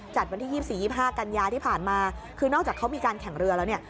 วันที่๒๔๒๕กันยาที่ผ่านมาคือนอกจากเขามีการแข่งเรือแล้วเนี่ย